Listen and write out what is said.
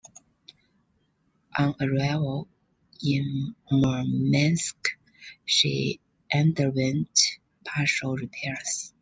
On arrival in Murmansk she underwent partial repairs.